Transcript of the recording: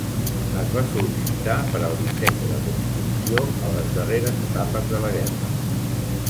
Es va sol·licitar per al disseny i la construcció a les darreres etapes de la guerra.